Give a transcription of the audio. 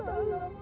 ah bu rukmi